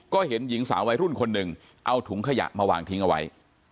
ก็เห็นหญิงสาววัยรุ่นคนหนึ่งเอาถุงขยะมาวางทิ้งเอาไว้